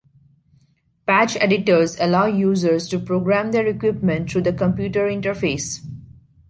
Patch editors allow users to program their equipment through the computer interface.